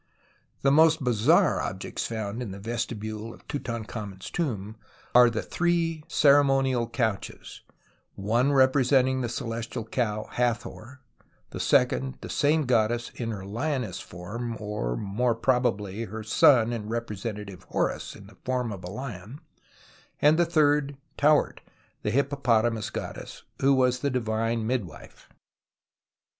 The most bizarre objects found in the vestibule of Tutankhamen's tomb are the three ceremonial couches, one representing the Celestial Cow, Hathor, the second the same goddess in her lioness form, or more probably her son and representative Horus in the form of a lion, and the third Tauert, the hippo potamus goddess, who was the divine midwife.